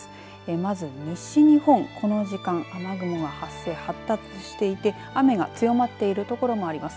まず西日本この時間、雨雲が発生発達していて雨が強まっている所もあります。